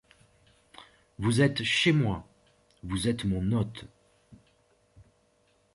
Vous êtes chez moi, vous êtes mon hôte.